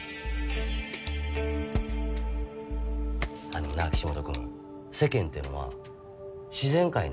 あのな岸本君世間っていうのは自然界なの。